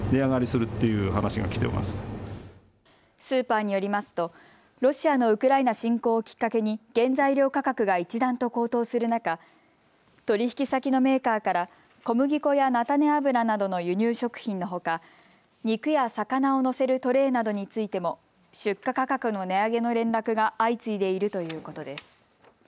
スーパーによりますとロシアのウクライナ侵攻をきっかけに原材料価格が一段と高騰する中、取引先のメーカーから小麦粉や菜種油などの輸入食品のほか肉や魚をのせるトレーなどについても出荷価格の値上げの連絡が相次いでいるということです。